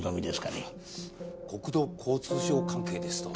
国土交通省関係ですと。